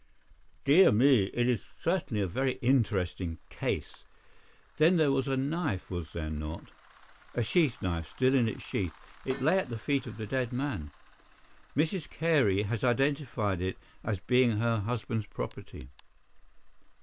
"Dear me, it is certainly a very interesting case. Then there was a knife, was there not?" "A sheath knife, still in its sheath. It lay at the feet of the dead man. Mrs. Carey has identified it as being her husband's property."